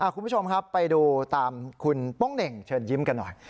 คุณผู้ชมครับไปดูตามคุณโป้งเหน่งเชิญยิ้มกันหน่อย